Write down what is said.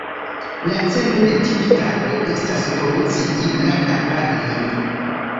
La celo de tiu tago estas promocii la kampanjon.